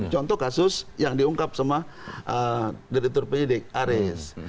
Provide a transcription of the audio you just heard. contoh kasus yang diungkap sama direktur penyidik aris